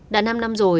đã năm năm rồi